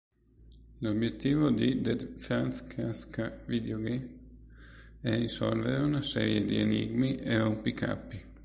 L'obiettivo di "The Franz Kafka Videogame" è risolvere una serie di enigmi e rompicapi.